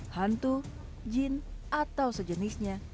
hantu jin atau sejenisnya